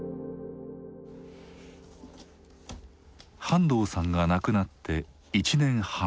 半藤さんが亡くなって１年半。